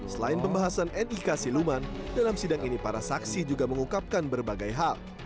selain pembahasan nik siluman dalam sidang ini para saksi juga mengungkapkan berbagai hal